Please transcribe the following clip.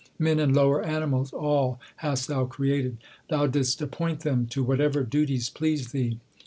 Men and lower animals all hast Thou created ; Thou didst appoint them to whatever duties pleased Thee.